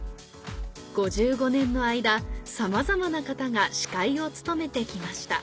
５５年の間さまざまな方が司会を務めて来ました